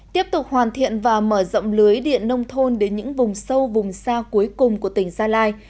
tiếp tục hoàn thiện và mở rộng lưới điện nông thôn đến những vùng sâu vùng xa cuối cùng của tỉnh gia lai